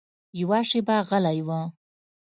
يوه شېبه غلى و.